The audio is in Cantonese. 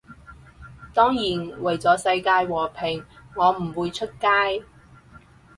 當然，為咗世界和平我唔會出街